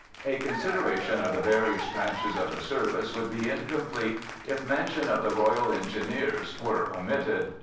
A consideration of the various branches of the service would be incomplete if mention of the Royal Engineers were omitted.